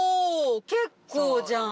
結構じゃん。